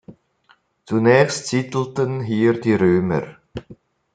Zunächst siedelten hier die Römer.